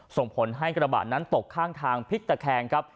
ส่งผลให้กระบะนั้นตกข้างทางพลิกตะแคงครับ